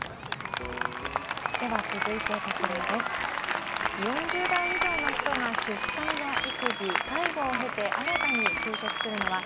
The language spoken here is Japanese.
続いて、４０代以上の人が出産や育児介護を経て、新たに就職するのは